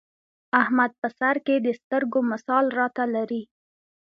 احمد په سرکې د سترګو مثال را ته لري.